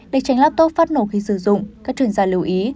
để tránh laptop phát nổ khi sử dụng các chuyên gia lưu ý